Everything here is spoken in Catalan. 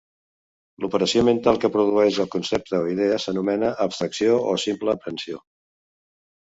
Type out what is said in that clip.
L'operació mental que produeix al concepte o idea s'anomena Abstracció o Simple Aprehensió.